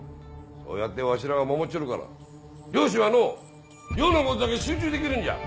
そうやってわしらが守っちょるから漁師はの漁のことだけに集中できるんじゃ！